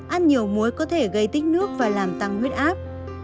ăn nhiều muối có thể gây tích nước và làm tăng huyết áp